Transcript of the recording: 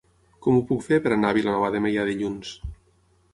Com ho puc fer per anar a Vilanova de Meià dilluns?